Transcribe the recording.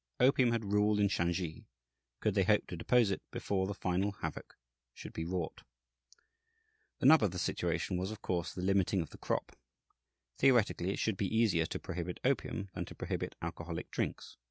Opium had ruled in Shansi: could they hope to depose it before the final havoc should be wrought? The nub of the situation was, of course, the limiting of the crop. Theoretically, it should be easier to prohibit opium than to prohibit alcoholic drinks.